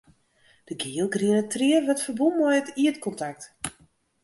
De gielgriene tried wurdt ferbûn mei it ierdkontakt.